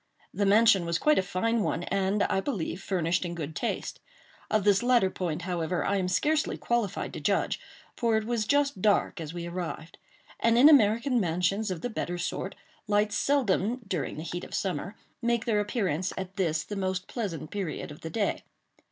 The mansion was quite a fine one, and, I believe, furnished in good taste. Of this latter point, however, I am scarcely qualified to judge; for it was just dark as we arrived; and in American mansions of the better sort lights seldom, during the heat of summer, make their appearance at this, the most pleasant period of the day.